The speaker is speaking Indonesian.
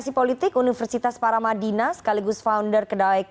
selamat sore mbak rifana